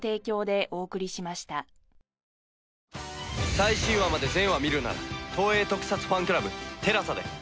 最新話まで全話見るなら東映特撮ファンクラブＴＥＬＡＳＡで。